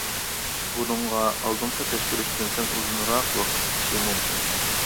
بۇنىڭغا ئالدىنقى تەكشۈرۈشتىن سەل ئۇزۇنراق ۋاقىت كېتىشى مۇمكىن.